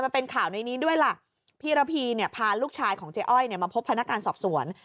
มันเป็นข่าวในนี้ด้วยล่ะพี่ระพีเนี่ยพาลูกชายของเจ๊อ้อยเนี่ยมาพบพนักงานสอบสวน